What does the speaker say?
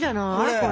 これ。